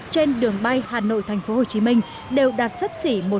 trên đường bay hà nội tp hcm đều đạt sức